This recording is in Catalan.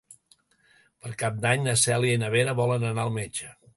Per Cap d'Any na Cèlia i na Vera volen anar al metge.